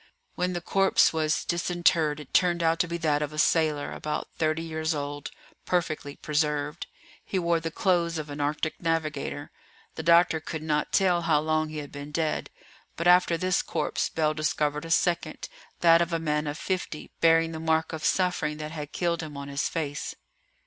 When the corpse was disinterred it turned out to be that of a sailor, about thirty years old, perfectly preserved. He wore the clothes of an Arctic navigator. The doctor could not tell how long he had been dead. But after this corpse, Bell discovered a second, that of a man of fifty, bearing the mark of the suffering that had killed him on his face.